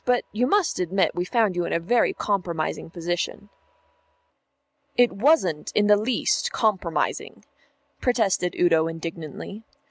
But you must admit we found you in a very compromising position." "It wasn't in the least compromising," protested Udo indignantly.